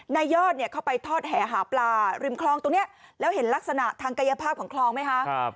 ยอดเนี่ยเข้าไปทอดแห่หาปลาริมคลองตรงนี้แล้วเห็นลักษณะทางกายภาพของคลองไหมคะ